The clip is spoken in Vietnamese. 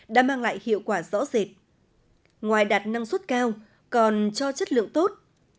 đã mang lại hiệu quả rõ rệt ngoài đạt năng suất cao còn cho chất lượng tốt